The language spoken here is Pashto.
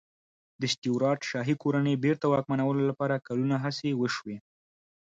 د سټیوراټ شاهي کورنۍ بېرته واکمنولو لپاره کلونه هڅې وشوې.